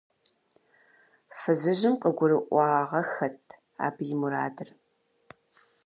Фызыжьым къыгурыӏуагъэххэт абы и мурадыр.